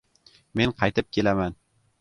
Men qaytib kelaman!